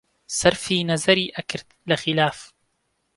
سەرفی نەزەری ئەکرد لە خیلاف